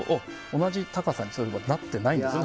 同じ高さになってないですね。